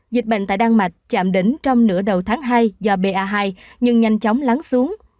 dịch bệnh tại đan mạch chạm đỉnh trong nửa đầu tháng hai do ba hai nhưng nhanh chóng lắng xuống